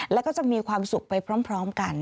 แล้วก็จะมีความสุขไปพร้อมกัน